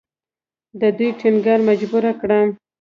د دوی ټینګار مجبوره کړم.